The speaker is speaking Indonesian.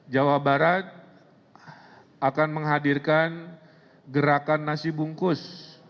jawa barat akan menghadirkan gerakan nasi bungkus